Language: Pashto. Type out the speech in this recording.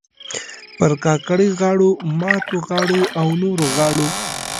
پر کاکړۍ غاړو، ماتو غاړو او نورو غاړو